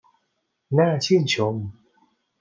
น่าชื่นชม